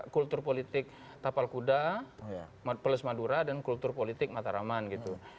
kultur politik tapal kuda plus madura dan kultur politik mataraman gitu